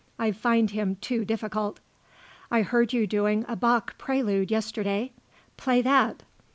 I find him too difficult." "I heard you doing a Bach prelude yesterday; play that."